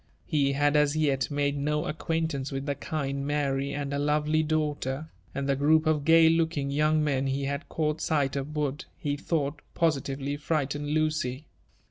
0e bad as yet made no acquaintance with the kind Afary and her lovely daughter ; and the group of gay looking young men he had caught sight of would, be thought, positively frighten J.ucy.